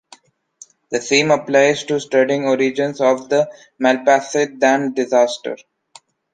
The same applies to studying origins of the Malpasset dam disaster.